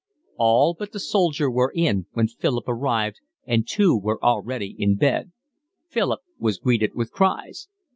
All but the soldier were in when Philip arrived and two were already in bed. Philip was greeted with cries.